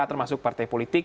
termasuk partai politik